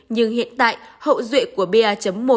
nhưng hiện tại hậu dụy của pa một